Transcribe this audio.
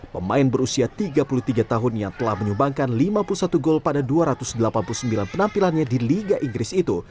pemain berusia tiga puluh tiga tahun yang telah menyumbangkan lima puluh satu gol pada dua ratus delapan puluh sembilan penampilannya di liga inggris itu